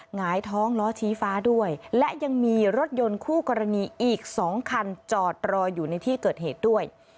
หงายท้องล้อชี้ฟ้าด้วยและยังมีรถยนต์คู่กรณีอีก๒คันจอดรออยู่ในที่เกิดเหตุด้วย